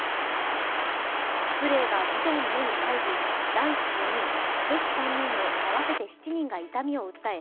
スプレーが児童の目に入り男子４人、女子３人の合わせて７人が痛みを訴え